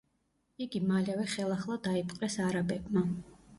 იგი მალევე ხელახლა დაიპყრეს არაბებმა.